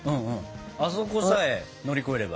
あそこさえ乗り越えれば。